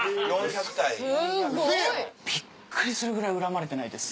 すごい！びっくりするぐらい恨まれてないです。